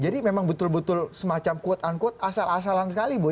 jadi memang betul betul semacam quote unquote asal asalan sekali bu